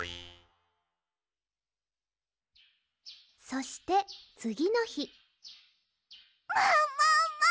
そしてつぎのひももも！